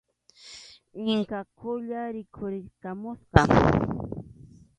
Inka Qulla rikhurirqamusqa.